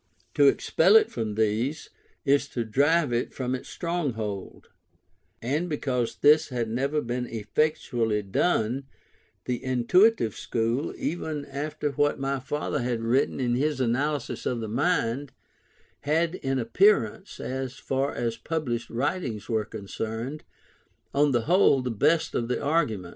To expel it from these, is to drive it from its stronghold: and because this had never been effectually done, the intuitive school, even after what my father had written in his Analysis of the Mind, had in appearance, and as far as published writings were concerned, on the whole the best of the argument.